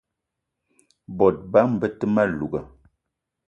Bot bama be te ma louga